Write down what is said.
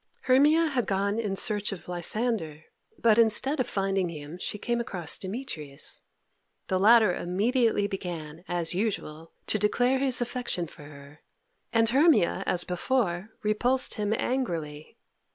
Hermia had gone in search of Lysander, but instead of finding him she came across Demetrius. The latter immediately began, as usual, to declare his affection for her, and Hermia, as before, repulsed him angrily.